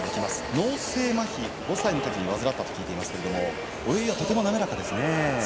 脳性まひ、５歳のときに患ったと聞いていますが泳ぎが滑らかですね。